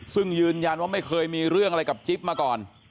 ซึ่งยืนยันว่าไม่เคยมีเรื่องอะไรกับจิ๊บมาก่อน